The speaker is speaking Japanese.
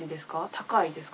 高いですか？